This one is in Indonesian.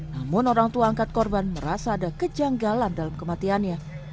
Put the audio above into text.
namun orang tua angkat korban merasa ada kejanggalan dalam kematiannya